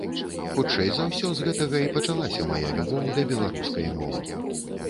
Хутчэй за ўсё, з гэтага і пачалася мая любоў да беларускай мовы.